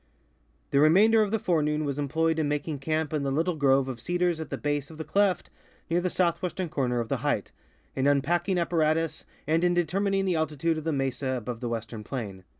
The remainder of the forenoon was employed in making camp in the little grove of cedars at the base of the cleft near the south western corner of the height, in unpacking apparatus, and in de termining the altitude of the mesa above the western plain.